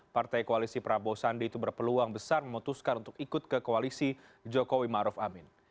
partai koalisi prabowo sandi itu berpeluang besar memutuskan untuk ikut ke koalisi jokowi maruf amin